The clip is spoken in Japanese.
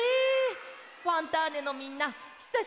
ファンターネのみんなひさしぶりケロ！